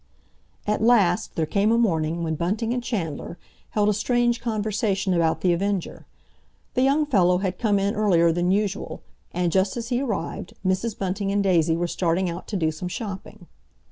At last there came a morning when Bunting and Chandler held a strange conversation about The Avenger. The young fellow had come in earlier than usual, and just as he arrived Mrs. Bunting and Daisy were starting out to do some shopping.